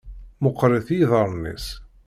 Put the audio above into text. Meqqerit yiḍarren-is.